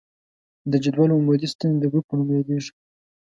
د جدول عمودي ستنې د ګروپ په نوم یادیږي.